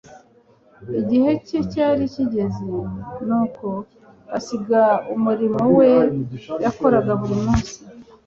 Igihe cye cyari kigeze. Nuko asiga umurimo we yakoraga buri munsi,